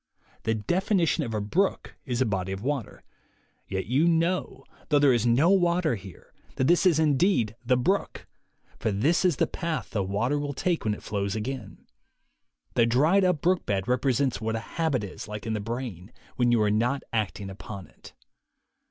The definition of a brook is THE WAY TO WILL POWER 65 a body of water; yet you know, though there is no water here, that this is indeed the brook, for this is the path the water will take when it flows again. The dried up brook bed represents what a habit is like in the brain when you are not acting upon it.